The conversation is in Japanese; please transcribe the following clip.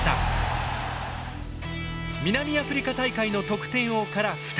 南アフリカ大会の得点王から２人。